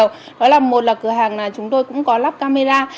đó là một là cửa hàng là chúng tôi cũng có lắp camera